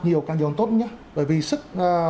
nhiều càng giống tốt nhé bởi vì sức